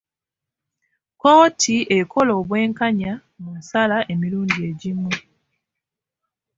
Kkooti ekola obwenkanya mu nsala emirundi egimu.